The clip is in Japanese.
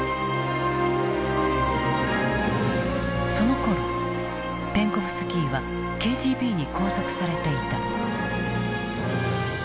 そのころペンコフスキーはＫＧＢに拘束されていた。